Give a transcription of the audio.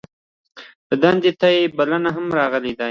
دندې ته یې بلنه هم راغلې ده.